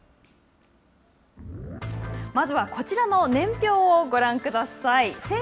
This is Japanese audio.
まずはこちらの年表をご覧ください。